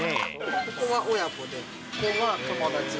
ここが親子で、ここが友達で。